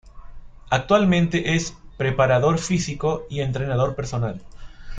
Actualmente es preparador físico y entrenador personal.